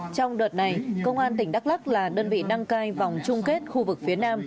trong đợt này công an tỉnh đắk lắc là đơn vị đăng cai vòng chung kết khu vực phía nam